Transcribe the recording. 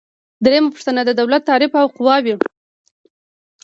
دریمه پوښتنه د دولت تعریف او قواوې دي.